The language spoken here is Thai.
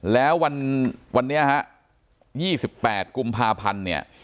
แล้ววันนี้ฮะ๒๘กุมภาพันธ์